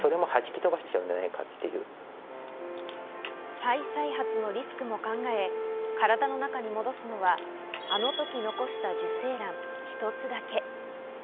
再々発のリスクも考え、体の中に戻すのはあの時、残した受精卵一つだけ。